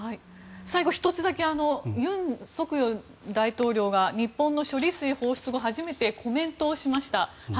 最後、１つだけ尹錫悦大統領が日本の処理水放出後初めてコメントをしました。